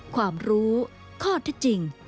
ความรู้ข้อที่จริง